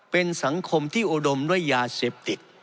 เป็นสังคมที่อุดมด้วยยาเสพติด